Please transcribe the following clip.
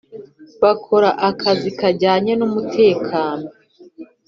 bakora akazi kajyanye n umutekano